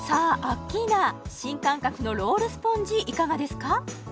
アッキーナ新感覚のロールスポンジいかがですか？